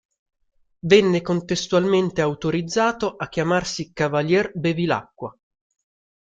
Venne contestualmente autorizzato a chiamarsi "Cavalier Bevilacqua".